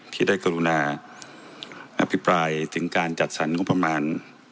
ที่ได้กรุณาอภิปรายถึงการจัดสรรงบประมาณ